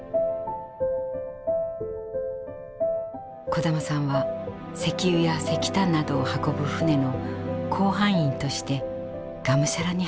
小玉さんは石油や石炭などを運ぶ船の甲板員としてがむしゃらに働きました。